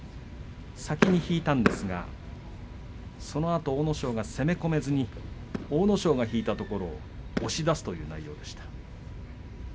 先に引いたんですがそのあと阿武咲が攻め込めずに阿武咲が引いたところを押し出すという内容でした。